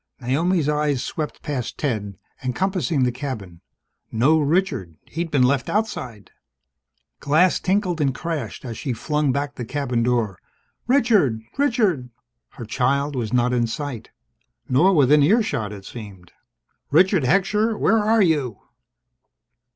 Naomi's eyes swept past Ted, encompassing the cabin. No Richard! He'd been left outside ... Glass tinkled and crashed as she flung back the cabin door. "Richard! Richard!" Her child was not in sight. Nor within earshot, it seemed. "Richard Heckscher! Where are you?"